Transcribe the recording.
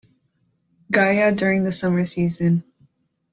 Gaya during the summer season.